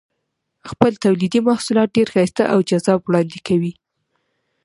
خپل تولیدي محصولات ډېر ښایسته او جذاب وړاندې کوي.